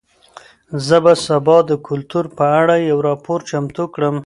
زه به سبا د کلتور په اړه یو راپور چمتو کړم.